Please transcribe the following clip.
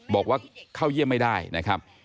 บอกว่าเข้าเยี่ยมไม่ได้นะครับ